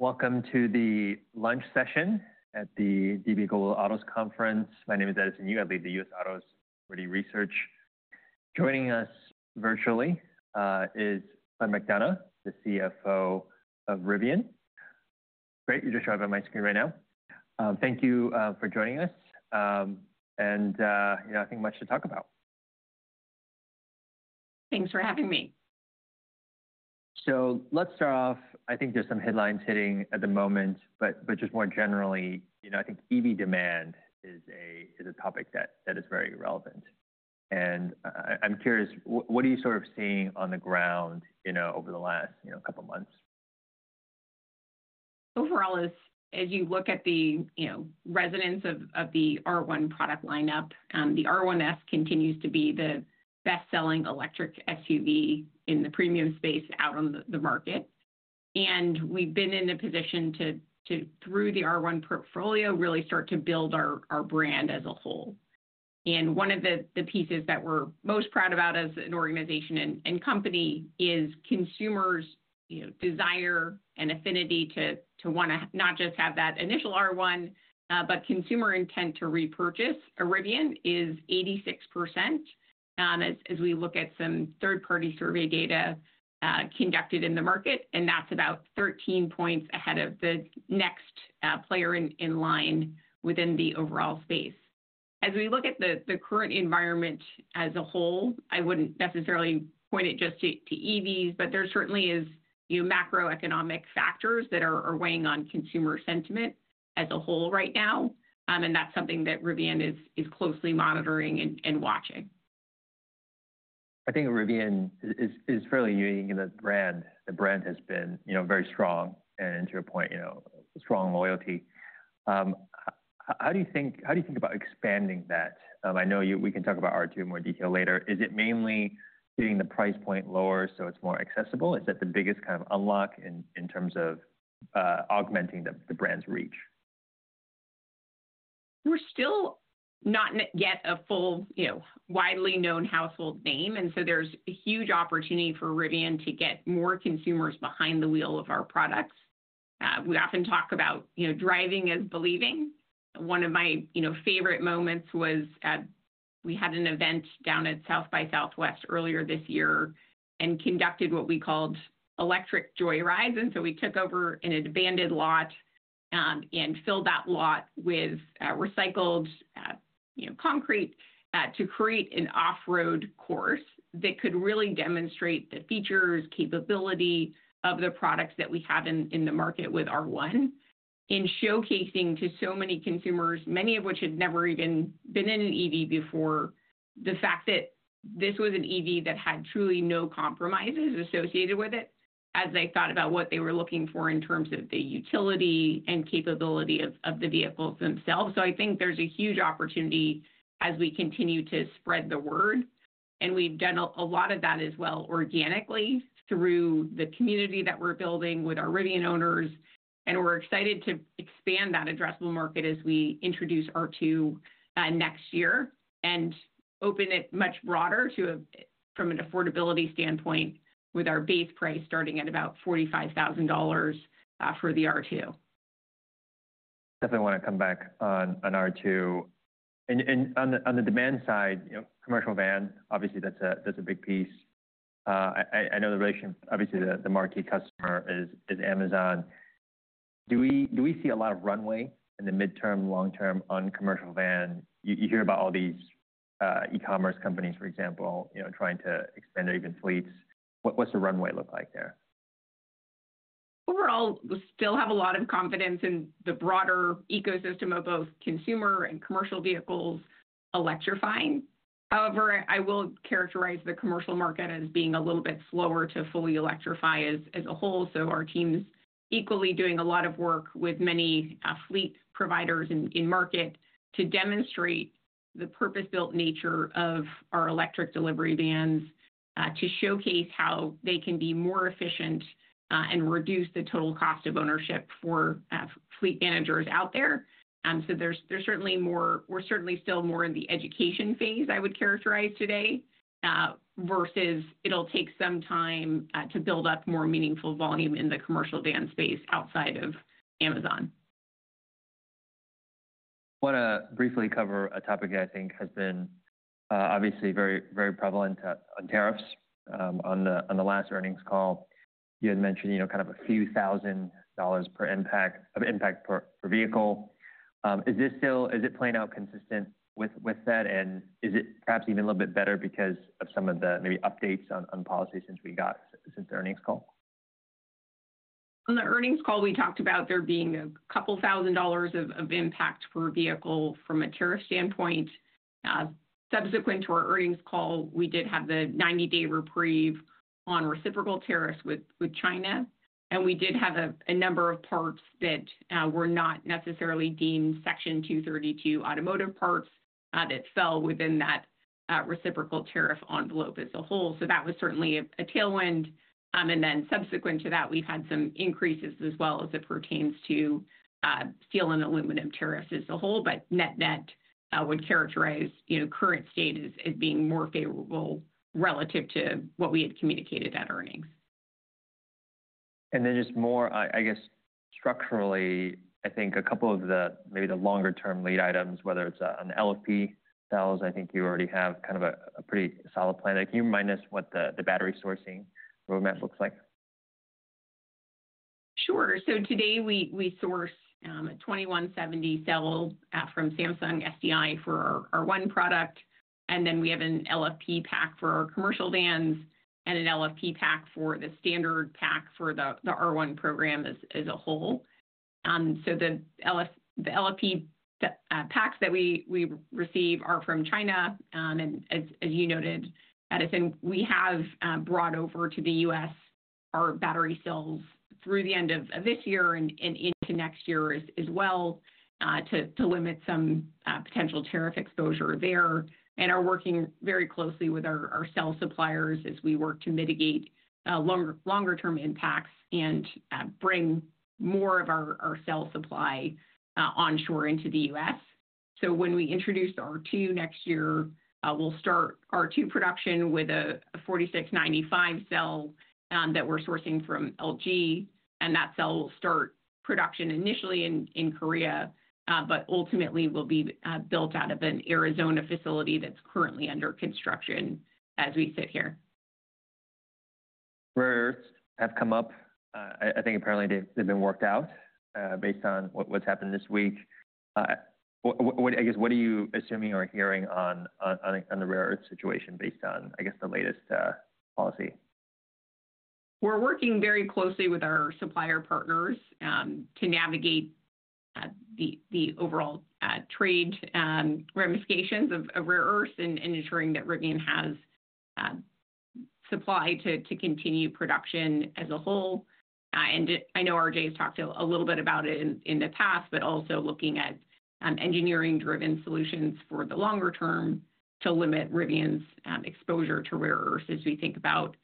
All right. Welcome to the lunch session at the DB Global Autos Conference. My name is Edison Yu. I lead the U.S. Autos Equity Research. Joining us virtually is Claire McDonough, the CFO of Rivian. Great. You just show up on my screen right now. Thank you for joining us. I think much to talk about. Thanks for having me. Let's start off. I think there's some headlines hitting at the moment, but just more generally, I think EV demand is a topic that is very relevant. I'm curious, what are you sort of seeing on the ground over the last couple of months? Overall, as you look at the resonance of the R1 product lineup, the R1S continues to be the best-selling electric SUV in the premium space out on the market. We have been in a position to, through the R1 portfolio, really start to build our brand as a whole. One of the pieces that we are most proud about as an organization and company is consumers' desire and affinity to want to not just have that initial R1, but consumer intent to repurchase. A Rivian is 86% as we look at some third-party survey data conducted in the market. That is about 13 percentage points ahead of the next player in line within the overall space. As we look at the current environment as a whole, I would not necessarily point it just to EVs, but there certainly are macroeconomic factors that are weighing on consumer sentiment as a whole right now. That is something that Rivian is closely monitoring and watching. I think Rivian is fairly unique in the brand. The brand has been very strong and, to your point, strong loyalty. How do you think about expanding that? I know we can talk about R2 in more detail later. Is it mainly getting the price point lower so it is more accessible? Is that the biggest kind of unlock in terms of augmenting the brand's reach? We're still not yet a full, widely known household name. There is a huge opportunity for Rivian to get more consumers behind the wheel of our products. We often talk about driving as believing. One of my favorite moments was we had an event down at South by Southwest earlier this year and conducted what we called Electric Joy Rides. We took over an abandoned lot and filled that lot with recycled concrete to create an off-road course that could really demonstrate the features, capability of the products that we have in the market with R1 in showcasing to so many consumers, many of which had never even been in an EV before, the fact that this was an EV that had truly no compromises associated with it as they thought about what they were looking for in terms of the utility and capability of the vehicles themselves. I think there's a huge opportunity as we continue to spread the word. We've done a lot of that as well organically through the community that we're building with our Rivian owners. We're excited to expand that addressable market as we introduce R2 next year and open it much broader from an affordability standpoint with our base price starting at about $45,000 for the R2. Definitely want to come back on R2. On the demand side, commercial van, obviously, that's a big piece. I know the relation, obviously, the marquee customer is Amazon. Do we see a lot of runway in the midterm, long term on commercial van? You hear about all these e-commerce companies, for example, trying to expand their even fleets. What's the runway look like there? Overall, we still have a lot of confidence in the broader ecosystem of both consumer and commercial vehicles electrifying. However, I will characterize the commercial market as being a little bit slower to fully electrify as a whole. Our team's equally doing a lot of work with many fleet providers in market to demonstrate the purpose-built nature of our electric delivery vans to showcase how they can be more efficient and reduce the total cost of ownership for fleet managers out there. We're certainly still more in the education phase, I would characterize today, versus it'll take some time to build up more meaningful volume in the commercial van space outside of Amazon. I want to briefly cover a topic that I think has been obviously very prevalent on tariffs. On the last earnings call, you had mentioned kind of a few thousand dollars per impact per vehicle. Is it playing out consistent with that? Is it perhaps even a little bit better because of some of the maybe updates on policy since we got since the earnings call? On the earnings call, we talked about there being a couple thousand dollars of impact per vehicle from a tariff standpoint. Subsequent to our earnings call, we did have the 90-day reprieve on reciprocal tariffs with China. We did have a number of parts that were not necessarily deemed Section 232 automotive parts that fell within that reciprocal tariff envelope as a whole. That was certainly a tailwind. Subsequent to that, we've had some increases as well as it pertains to steel and aluminum tariffs as a whole. Net net would characterize current state as being more favorable relative to what we had communicated at earnings. Just more, I guess, structurally, I think a couple of the maybe the longer-term lead items, whether it's on LFP cells, I think you already have kind of a pretty solid plan. Can you remind us what the battery sourcing roadmap looks like? Sure. Today, we source a 2170 cell from Samsung SDI for our R1 product. We have an LFP pack for our commercial vans and an LFP pack for the standard pack for the R1 program as a whole. The LFP packs that we receive are from China. As you noted, Edison, we have brought over to the U.S. our battery cells through the end of this year and into next year as well to limit some potential tariff exposure there. We are working very closely with our cell suppliers as we work to mitigate longer-term impacts and bring more of our cell supply onshore into the U.S. When we introduce R2 next year, we will start R2 production with a 4695 cell that we are sourcing from LG. That cell will start production initially in Korea, but ultimately will be built out of an Arizona facility that's currently under construction as we sit here. Rare earths have come up. I think apparently they've been worked out based on what's happened this week. I guess, what are you assuming or hearing on the rare earth situation based on, I guess, the latest policy? We're working very closely with our supplier partners to navigate the overall trade ramifications of rare earths and ensuring that Rivian has supply to continue production as a whole. I know RJ has talked a little bit about it in the past, but also looking at engineering-driven solutions for the longer term to limit Rivian's exposure to rare earths as we think about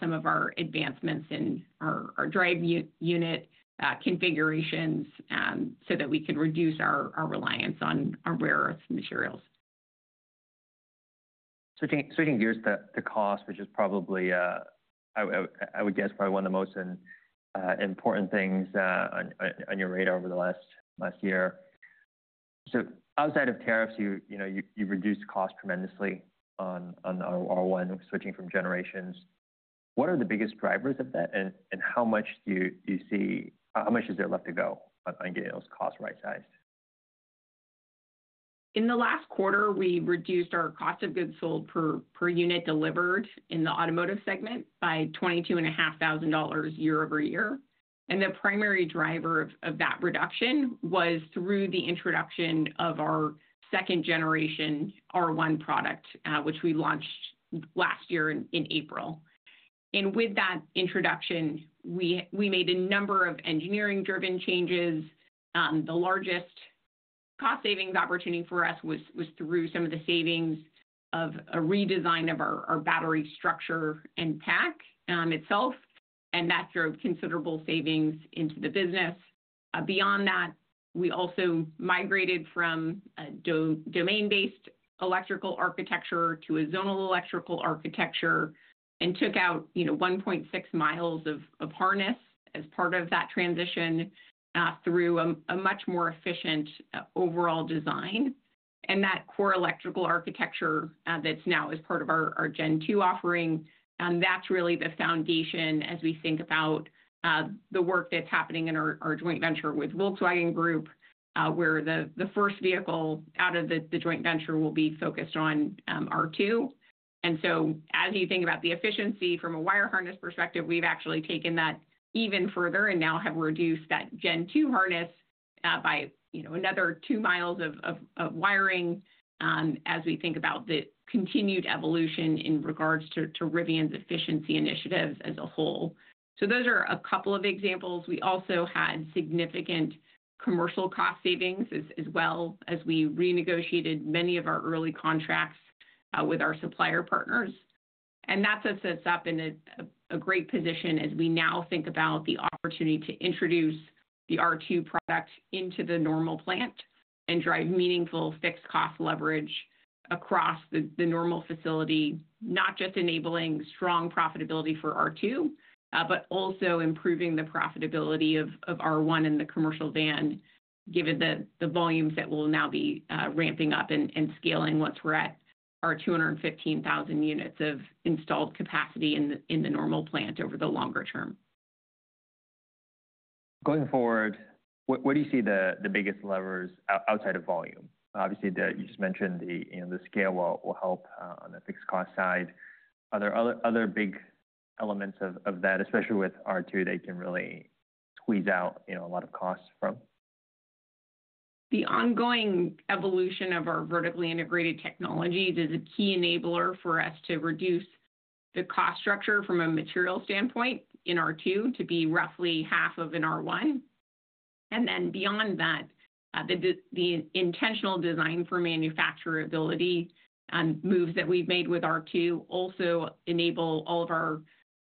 some of our advancements in our drive unit configurations so that we can reduce our reliance on rare earth materials. Switching gears to cost, which is probably, I would guess, probably one of the most important things on your radar over the last year. Outside of tariffs, you've reduced costs tremendously on R1, switching from generations. What are the biggest drivers of that? And how much do you see? How much is there left to go on getting those costs right-sized? In the last quarter, we reduced our cost of goods sold per unit delivered in the automotive segment by $22,500 year-over-year. The primary driver of that reduction was through the introduction of our second-generation R1 product, which we launched last year in April. With that introduction, we made a number of engineering-driven changes. The largest cost savings opportunity for us was through some of the savings of a redesign of our battery structure and pack itself. That drove considerable savings into the business. Beyond that, we also migrated from a domain-based electrical architecture to a zonal electrical architecture and took out 1.6 mi of harness as part of that transition through a much more efficient overall design. That core electrical architecture that's now as part of our Gen 2 offering, that's really the foundation as we think about the work that's happening in our joint venture with Volkswagen Group, where the first vehicle out of the joint venture will be focused on R2. As you think about the efficiency from a wire harness perspective, we've actually taken that even further and now have reduced that Gen 2 harness by another two miles of wiring as we think about the continued evolution in regards to Rivian's efficiency initiatives as a whole. Those are a couple of examples. We also had significant commercial cost savings as well as we renegotiated many of our early contracts with our supplier partners. That is what sets up in a great position as we now think about the opportunity to introduce the R2 product into the Normal plant and drive meaningful fixed cost leverage across the Normal facility, not just enabling strong profitability for R2, but also improving the profitability of R1 and the commercial van given the volumes that will now be ramping up and scaling once we are at our 215,000 units of installed capacity in the Normal plant over the longer term. Going forward, what do you see the biggest levers outside of volume? Obviously, you just mentioned the scale will help on the fixed cost side. Are there other big elements of that, especially with R2, that can really squeeze out a lot of costs from? The ongoing evolution of our vertically integrated technologies is a key enabler for us to reduce the cost structure from a material standpoint in R2 to be roughly half of an R1. Beyond that, the intentional design for manufacturability moves that we've made with R2 also enable all of our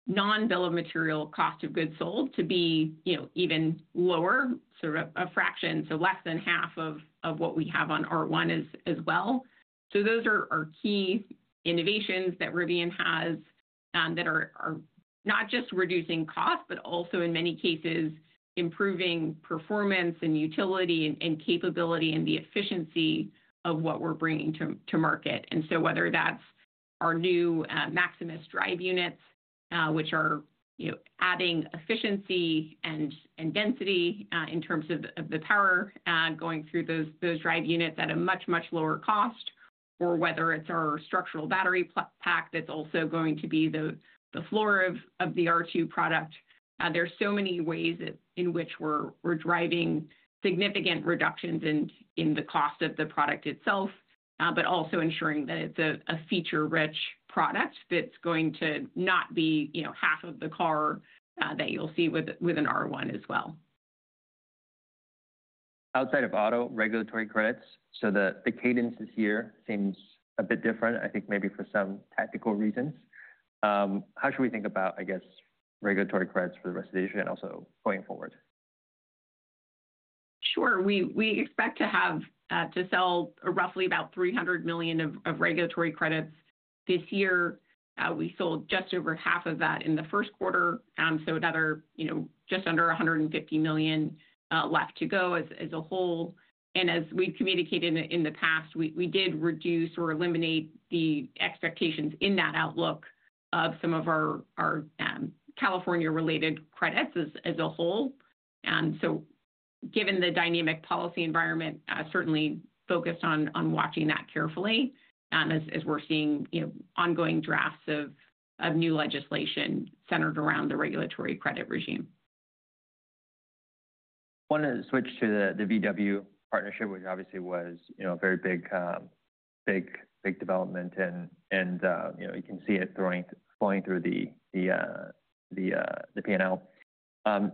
non-bill of material cost of goods sold to be even lower, sort of a fraction, so less than half of what we have on R1 as well. Those are key innovations that Rivian has that are not just reducing costs, but also in many cases, improving performance and utility and capability and the efficiency of what we're bringing to market. Whether that's our new Maximus drive units, which are adding efficiency and density in terms of the power going through those drive units at a much, much lower cost, or whether it's our structural battery pack that's also going to be the floor of the R2 product. There are so many ways in which we're driving significant reductions in the cost of the product itself, but also ensuring that it's a feature-rich product that's going to not be half of the car that you'll see with an R1 as well. Outside of auto regulatory credits, the cadence this year seems a bit different, I think maybe for some tactical reasons. How should we think about, I guess, regulatory credits for the rest of the year and also going forward? Sure. We expect to sell roughly about $300 million of regulatory credits this year. We sold just over half of that in the first quarter, so just under $150 million left to go as a whole. As we've communicated in the past, we did reduce or eliminate the expectations in that outlook of some of our California-related credits as a whole. Given the dynamic policy environment, certainly focused on watching that carefully as we're seeing ongoing drafts of new legislation centered around the regulatory credit regime. I want to switch to the VW partnership, which obviously was a very big development. You can see it flowing through the P&L. Can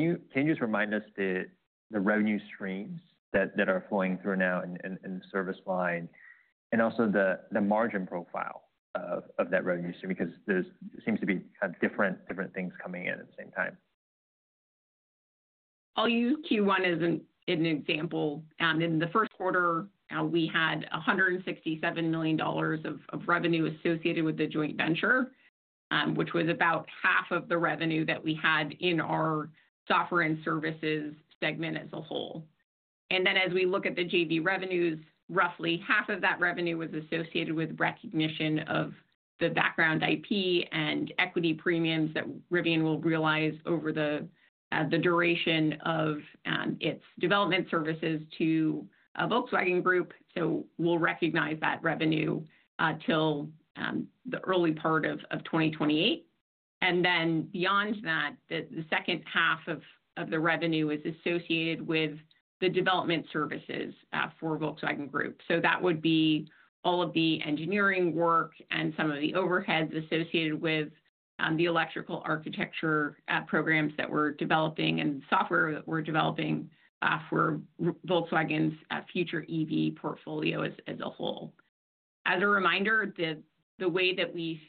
you just remind us the revenue streams that are flowing through now in the service line and also the margin profile of that revenue stream? There seems to be different things coming in at the same time. I'll use Q1 as an example. In the first quarter, we had $167 million of revenue associated with the joint venture, which was about half of the revenue that we had in our software and services segment as a whole. As we look at the JV revenues, roughly half of that revenue was associated with recognition of the background IP and equity premiums that Rivian will realize over the duration of its development services to Volkswagen Group. We will recognize that revenue till the early part of 2028. Beyond that, the second half of the revenue is associated with the development services for Volkswagen Group. That would be all of the engineering work and some of the overheads associated with the electrical architecture programs that we're developing and software that we're developing for Volkswagen's future EV portfolio as a whole. As a reminder, the way that we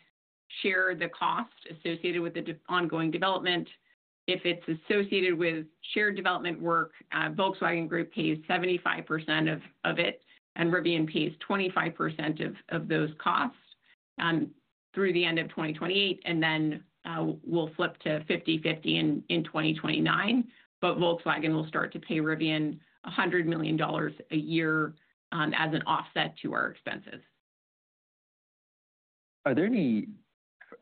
share the cost associated with the ongoing development, if it's associated with shared development work, Volkswagen Group pays 75% of it, and Rivian pays 25% of those costs through the end of 2028. We will flip to 50/50 in 2029. Volkswagen will start to pay Rivian $100 million a year as an offset to our expenses. Are there any,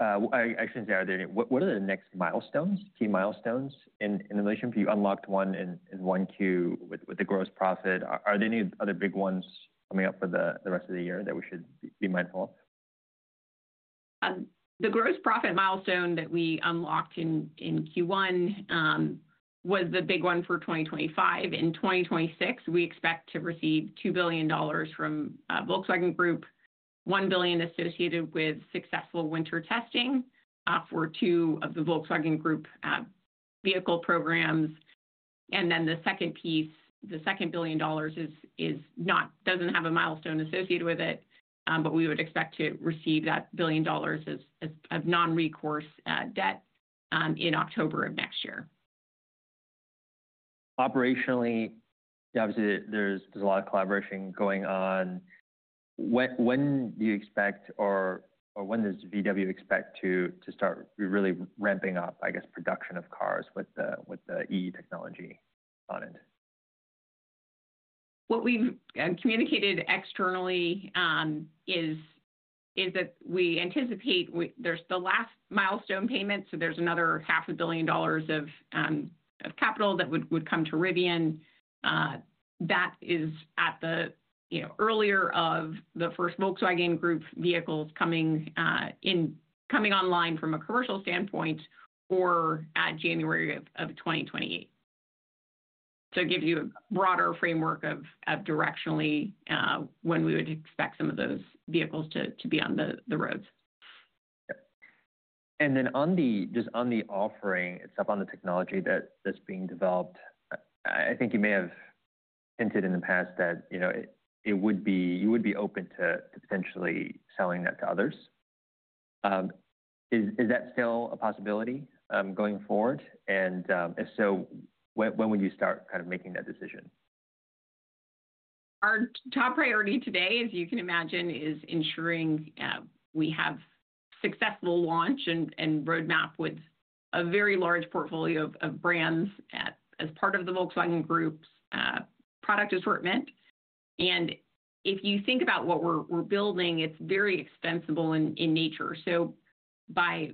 I shouldn't say are there any, what are the next milestones, key milestones in the motion? You unlocked one in Q1 with the gross profit. Are there any other big ones coming up for the rest of the year that we should be mindful of? The gross profit milestone that we unlocked in Q1 was the big one for 2025. In 2026, we expect to receive $2 billion from Volkswagen Group, $1 billion associated with successful winter testing for two of the Volkswagen Group vehicle programs. The 2nd piece, the 2nd billion dollars does not have a milestone associated with it, but we would expect to receive that billion dollars of non-recourse debt in October of next year. Operationally, obviously, there's a lot of collaboration going on. When do you expect or when does Volkswagen Group expect to start really ramping up, I guess, production of cars with the EV technology on it? What we've communicated externally is that we anticipate there's the last milestone payment. So there's another $500,000,000 of capital that would come to Rivian. That is at the earlier of the first Volkswagen Group vehicles coming online from a commercial standpoint or at January of 2028. So it gives you a broader framework of directionally when we would expect some of those vehicles to be on the roads. On the offering, it's up on the technology that's being developed. I think you may have hinted in the past that you would be open to potentially selling that to others. Is that still a possibility going forward? If so, when would you start kind of making that decision? Our top priority today, as you can imagine, is ensuring we have successful launch and roadmap with a very large portfolio of brands as part of the Volkswagen Group's product assortment. If you think about what we're building, it's very extensible in nature. By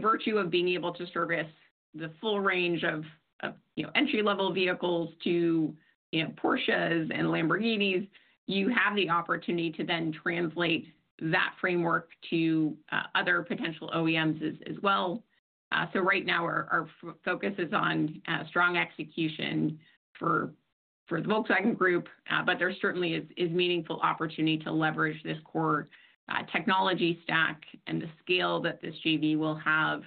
virtue of being able to service the full range of entry-level vehicles to Porsches and Lamborghinis, you have the opportunity to then translate that framework to other potential OEMs as well. Right now, our focus is on strong execution for the Volkswagen Group, but there certainly is a meaningful opportunity to leverage this core technology stack and the scale that this JV will have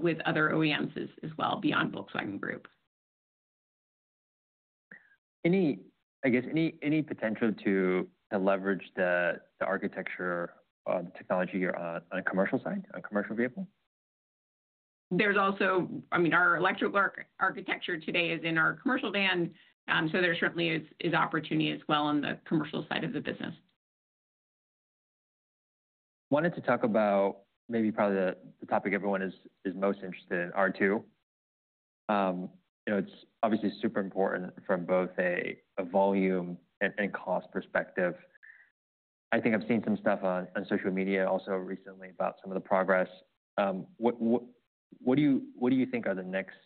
with other OEMs as well beyond Volkswagen Group. I guess any potential to leverage the architecture or the technology on a commercial side, on a commercial vehicle? There's also, I mean, our electrical architecture today is in our commercial van. So there certainly is opportunity as well on the commercial side of the business. I wanted to talk about maybe probably the topic everyone is most interested in, R2. It's obviously super important from both a volume and cost perspective. I think I've seen some stuff on social media also recently about some of the progress. What do you think are the next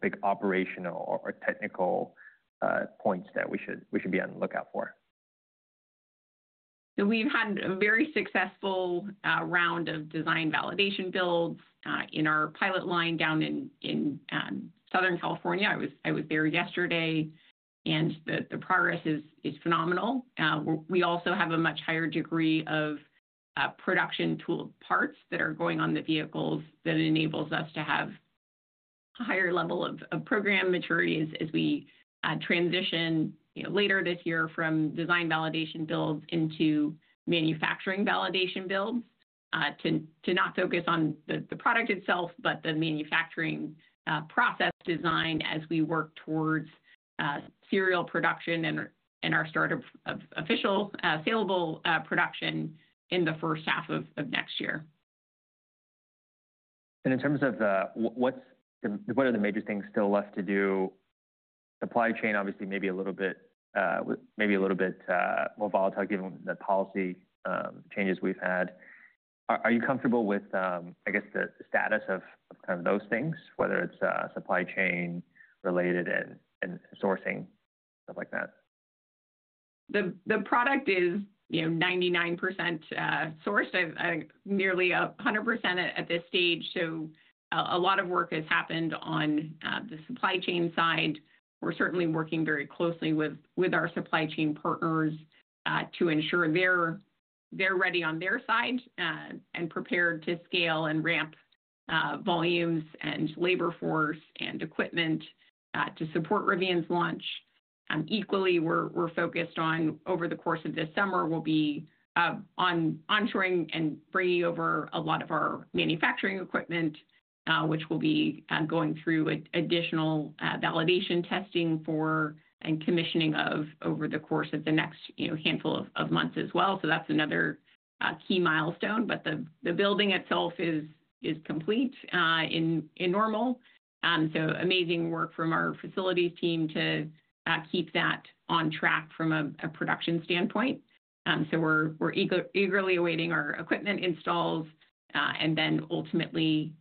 big operational or technical points that we should be on the lookout for? We've had a very successful round of design validation builds in our pilot line down in Southern California. I was there yesterday, and the progress is phenomenal. We also have a much higher degree of production tool parts that are going on the vehicles that enables us to have a higher level of program maturity as we transition later this year from design validation builds into manufacturing validation builds to not focus on the product itself, but the manufacturing process design as we work towards serial production and our start of official saleable production in the first half of next year. In terms of what are the major things still left to do? Supply chain, obviously, maybe a little bit more volatile given the policy changes we've had. Are you comfortable with, I guess, the status of kind of those things, whether it's supply chain related and sourcing, stuff like that? The product is 99% sourced, nearly 100% at this stage. A lot of work has happened on the supply chain side. We're certainly working very closely with our supply chain partners to ensure they're ready on their side and prepared to scale and ramp volumes and labor force and equipment to support Rivian's launch. Equally, we're focused on, over the course of this summer, we'll be onshoring and bringing over a lot of our manufacturing equipment, which will be going through additional validation testing for and commissioning of over the course of the next handful of months as well. That's another key milestone. The building itself is complete in Normal. Amazing work from our facilities team to keep that on track from a production standpoint. We're eagerly awaiting our equipment installs and then ultimately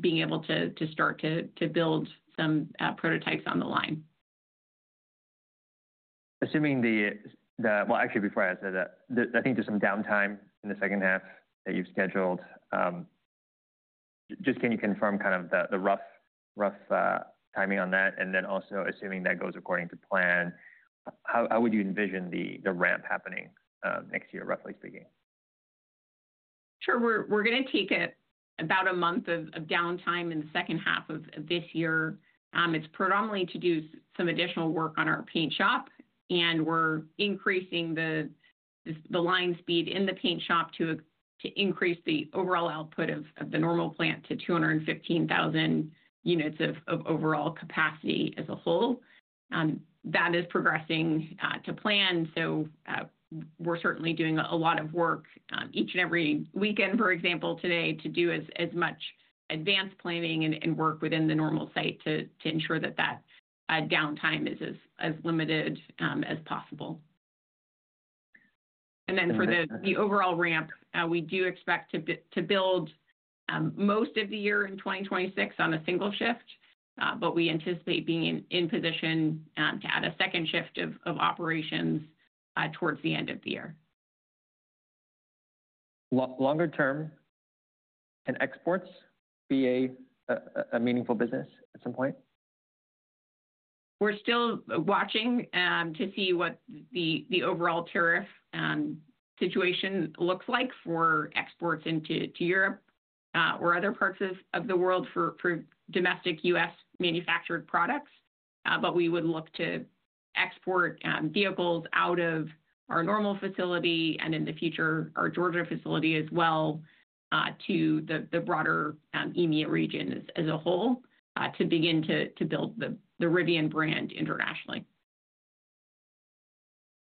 being able to start to build some prototypes on the line. Assuming the, actually, before I said that, I think there's some downtime in the second half that you've scheduled. Just can you confirm kind of the rough timing on that? Also, assuming that goes according to plan, how would you envision the ramp happening next year, roughly speaking? Sure. We're going to take about a month of downtime in the second half of this year. It's predominantly to do some additional work on our paint shop. We're increasing the line speed in the paint shop to increase the overall output of the Normal plant to 215,000 units of overall capacity as a whole. That is progressing to plan. We're certainly doing a lot of work each and every weekend, for example, today to do as much advanced planning and work within the Normal Site to ensure that that downtime is as limited as possible. For the overall ramp, we do expect to build most of the year in 2026 on a single shift, but we anticipate being in position to add a second shift of operations towards the end of the year. Longer term, can exports be a meaningful business at some point? We're still watching to see what the overall tariff situation looks like for exports into Europe or other parts of the world for domestic U.S. manufactured products. We would look to export vehicles out of our Normal facility and in the future, our Georgia facility as well to the broader EMEA region as a whole to begin to build the Rivian brand internationally.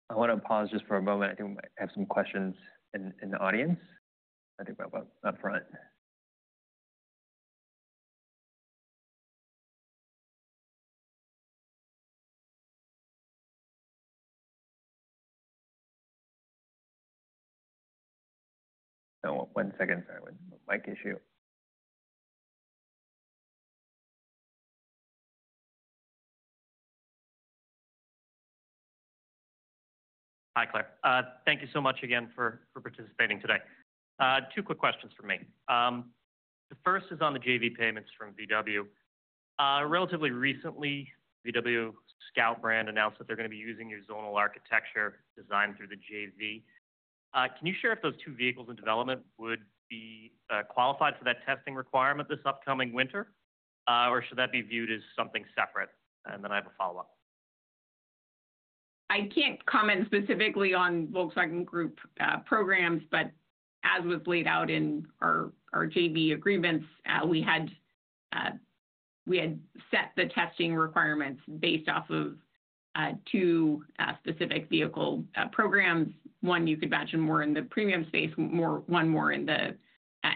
I want to pause just for a moment. I think we might have some questions in the audience. I think we're up front. One second, sorry, mic issue. Hi, Claire. Thank you so much again for participating today. Two quick questions for me. The first is on the JV payments from VW. Relatively recently, VW Scout brand announced that they're going to be using your zonal architecture designed through the JV. Can you share if those two vehicles in development would be qualified for that testing requirement this upcoming winter, or should that be viewed as something separate? I have a follow-up. I can't comment specifically on Volkswagen Group programs, but as was laid out in our JV agreements, we had set the testing requirements based off of two specific vehicle programs. One, you could imagine, more in the premium space, one more in the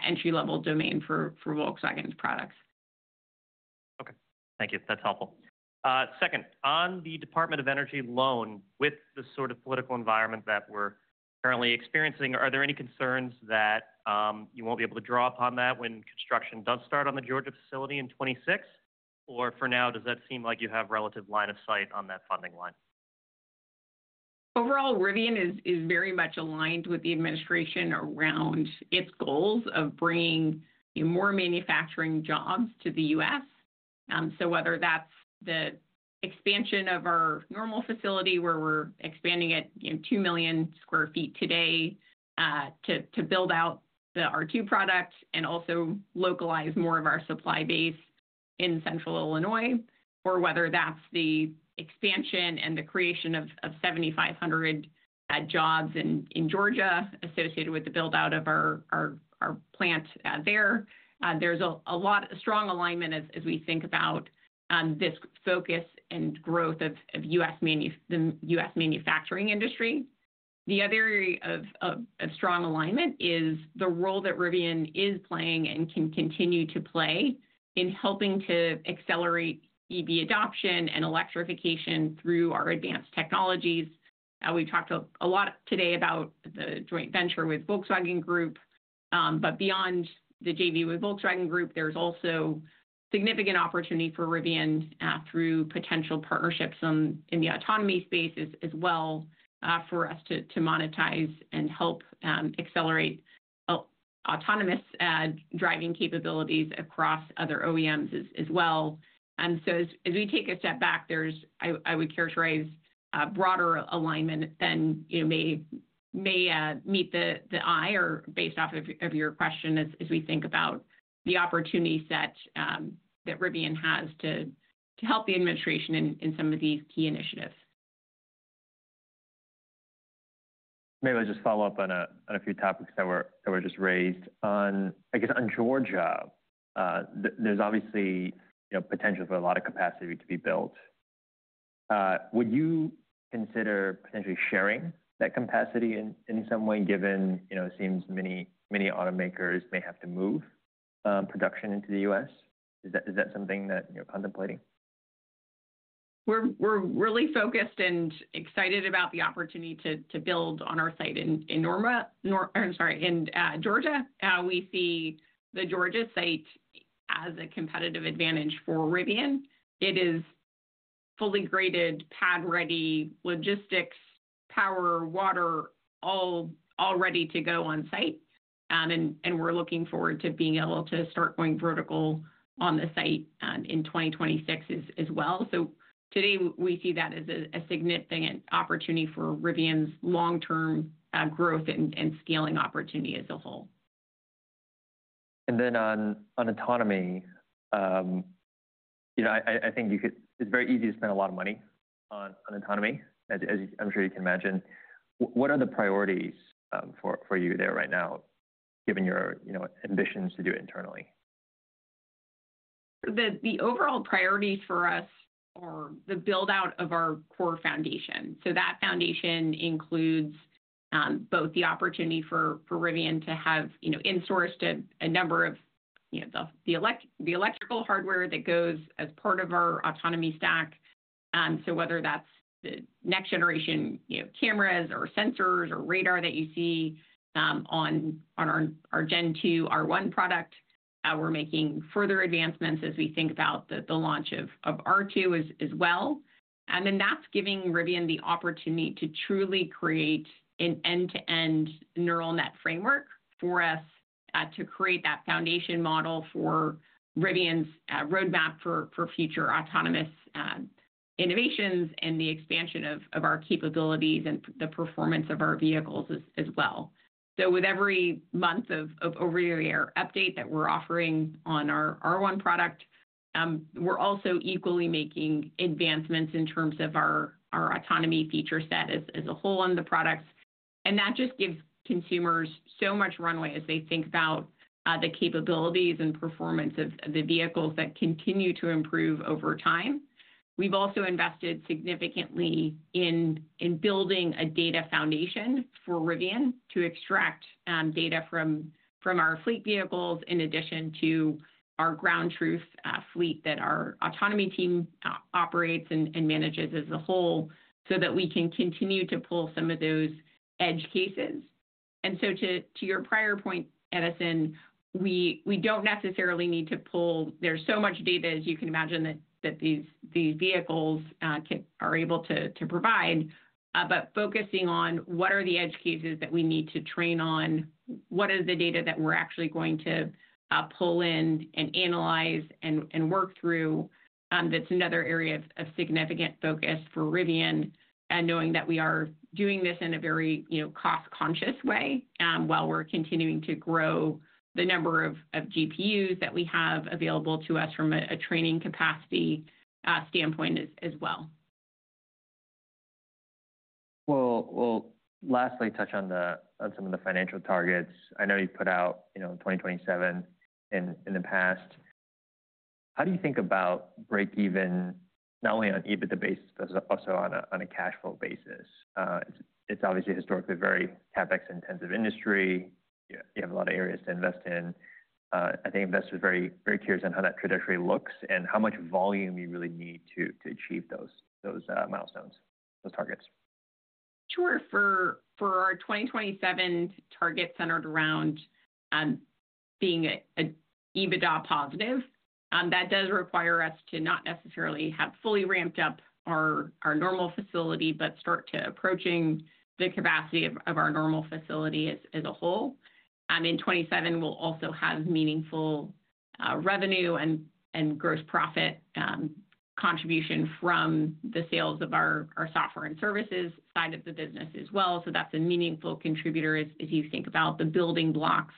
entry-level domain for Volkswagen's products. Okay. Thank you. That's helpful. Second, on the Department of Energy loan, with the sort of political environment that we're currently experiencing, are there any concerns that you won't be able to draw upon that when construction does start on the Georgia facility in 2026? For now, does that seem like you have relative line of sight on that funding line? Overall, Rivian is very much aligned with the administration around its goals of bringing more manufacturing jobs to the U.S. Whether that's the expansion of our Normal facility where we're expanding at 2 million sq ft today to build out the R2 product and also localize more of our supply base in Central Illinois, or whether that's the expansion and the creation of 7,500 jobs in Georgia associated with the build-out of our plant there, there's a strong alignment as we think about this focus and growth of the U.S. manufacturing industry. The other area of strong alignment is the role that Rivian is playing and can continue to play in helping to accelerate EV adoption and electrification through our advanced technologies. We've talked a lot today about the joint venture with Volkswagen Group. Beyond the JV with Volkswagen Group, there's also significant opportunity for Rivian through potential partnerships in the autonomy space as well for us to monetize and help accelerate autonomous driving capabilities across other OEMs as well. As we take a step back, I would characterize broader alignment than may meet the eye or based off of your question as we think about the opportunity set that Rivian has to help the administration in some of these key initiatives. Maybe I'll just follow up on a few topics that were just raised. I guess on Georgia, there's obviously potential for a lot of capacity to be built. Would you consider potentially sharing that capacity in some way given it seems many automakers may have to move production into the U.S.? Is that something that you're contemplating? We're really focused and excited about the opportunity to build on our site in Normal, I'm sorry, in Georgia. We see the Georgia site as a competitive advantage for Rivian. It is fully graded, pad-ready, logistics, power, water all ready to go on site. We are looking forward to being able to start going vertical on the site in 2026 as well. Today, we see that as a significant opportunity for Rivian's long-term growth and scaling opportunity as a whole. On autonomy, I think it's very easy to spend a lot of money on autonomy, as I'm sure you can imagine. What are the priorities for you there right now, given your ambitions to do it internally? The overall priorities for us are the build-out of our core foundation. That foundation includes both the opportunity for Rivian to have in-sourced a number of the electrical hardware that goes as part of our autonomy stack. Whether that is the next generation cameras or sensors or radar that you see on our Gen 2 R1 product, we are making further advancements as we think about the launch of R2 as well. That is giving Rivian the opportunity to truly create an end-to-end neural net framework for us to create that foundation model for Rivian's roadmap for future autonomous innovations and the expansion of our capabilities and the performance of our vehicles as well. With every month of over-the-air update that we are offering on our R1 product, we are also equally making advancements in terms of our autonomy feature set as a whole on the products. That just gives consumers so much runway as they think about the capabilities and performance of the vehicles that continue to improve over time. We have also invested significantly in building a data foundation for Rivian to extract data from our fleet vehicles in addition to our ground truth fleet that our autonomy team operates and manages as a whole so that we can continue to pull some of those edge cases. To your prior point, Edison, we do not necessarily need to pull, there is so much data, as you can imagine, that these vehicles are able to provide. Focusing on what are the edge cases that we need to train on, what is the data that we're actually going to pull in and analyze and work through, that's another area of significant focus for Rivian, knowing that we are doing this in a very cost-conscious way while we're continuing to grow the number of GPUs that we have available to us from a training capacity standpoint as well. We'll lastly touch on some of the financial targets. I know you put out 2027 in the past. How do you think about break-even not only on EBITDA basis, but also on a cash flow basis? It's obviously historically a very CapEx-intensive industry. You have a lot of areas to invest in. I think investors are very curious on how that trajectory looks and how much volume you really need to achieve those milestones, those targets. Sure. For our 2027 target centered around being an EBITDA positive, that does require us to not necessarily have fully ramped up our Normal facility, but start approaching the capacity of our Normal facility as a whole. In 2027, we'll also have meaningful revenue and gross profit contribution from the sales of our software and services side of the business as well. That is a meaningful contributor as you think about the building blocks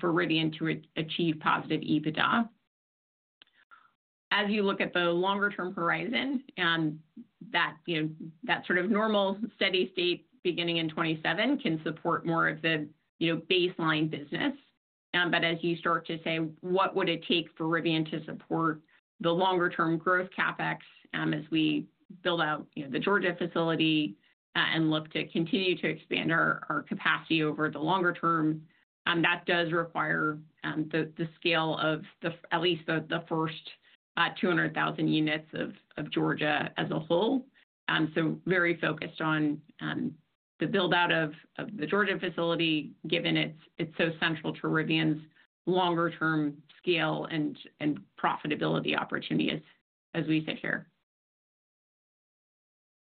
for Rivian to achieve positive EBITDA. As you look at the longer-term horizon, that sort of normal steady state beginning in 2027 can support more of the baseline business. As you start to say, what would it take for Rivian to support the longer-term growth CapEx as we build out the Georgia facility and look to continue to expand our capacity over the longer term? That does require the scale of at least the first 200,000 units of Georgia as a whole. So very focused on the build-out of the Georgia facility, given it's so central to Rivian's longer-term scale and profitability opportunity as we sit here.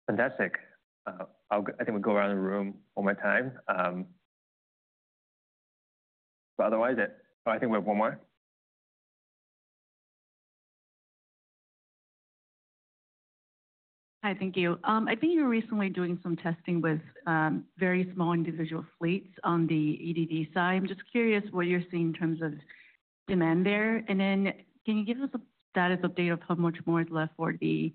Fantastic. I think we'll go around the room one more time. Otherwise, I think we have one more. Hi, thank you. I've been recently doing some testing with very small individual fleets on the EDV side. I'm just curious what you're seeing in terms of demand there. Can you give us a status update of how much more is left for the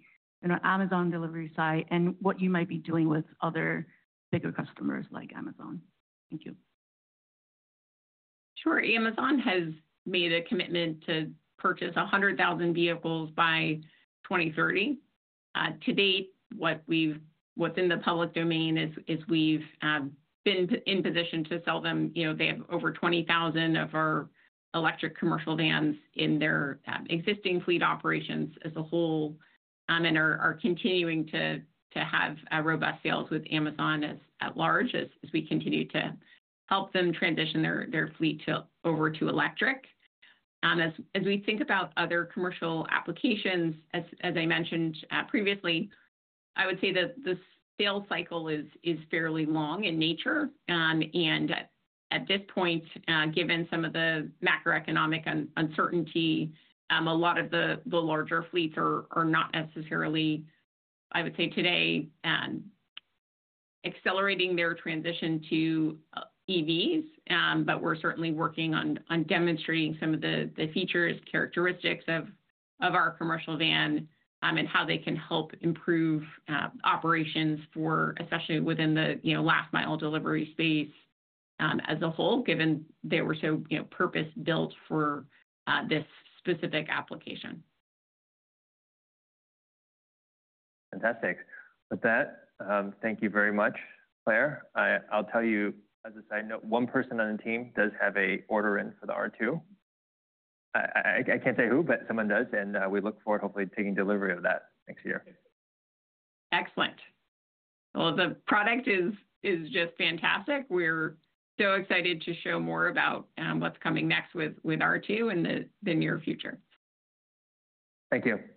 Amazon delivery side and what you might be doing with other bigger customers like Amazon? Thank you. Sure. Amazon has made a commitment to purchase 100,000 vehicles by 2030. To date, what's in the public domain is we've been in position to sell them. They have over 20,000 of our electric commercial vans in their existing fleet operations as a whole and are continuing to have robust sales with Amazon at large as we continue to help them transition their fleet over to electric. As we think about other commercial applications, as I mentioned previously, I would say that the sales cycle is fairly long in nature. At this point, given some of the macroeconomic uncertainty, a lot of the larger fleets are not necessarily, I would say today, accelerating their transition to EVs. We are certainly working on demonstrating some of the features, characteristics of our commercial van and how they can help improve operations for especially within the last-mile delivery space as a whole, given they were so purpose-built for this specific application. Fantastic. With that, thank you very much, Claire. I'll tell you, as a side note, one person on the team does have an order in for the R2. I can't say who, but someone does. We look forward, hopefully, to taking delivery of that next year. Excellent. The product is just fantastic. We're so excited to show more about what's coming next with R2 in the near future. Thank you. Thanks.